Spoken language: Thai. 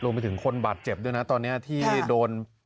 ไปถึงคนบาดเจ็บด้วยนะตอนนี้ที่โดน